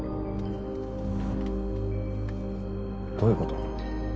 どういうこと？